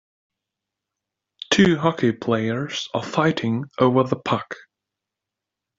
Two Hockey players are fighting over the puck.